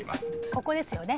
ここですよね。